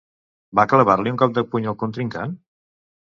Va clavar-li un cop de puny al contrincant?